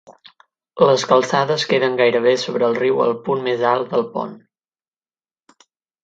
Les calçades queden gairebé sobre el riu al punt més alt del pont.